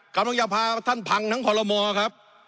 กำลังจะพาท่านพังทั้งคอลโลมอครับ